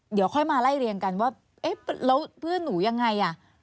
เดี๋ยวค่อยมาไล่เรียงกันว่าเอ๊ะแล้วเพื่อนหนูยังไงอ่ะ